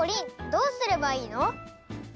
どうすればいいの？